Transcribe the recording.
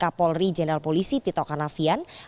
kepada kapolri jenderal polisi tito canavian